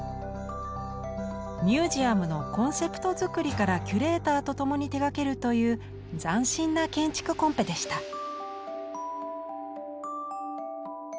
ミュージアムのコンセプト作りからキュレーターと共に手がけるという斬新な建築コンペでした。